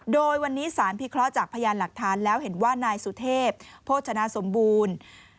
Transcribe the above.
โดยวันนี้สารพิเคราะห์จากพยานหลักฐานแล้วเห็นว่านายสุเทพโภชนะสมบูรณ์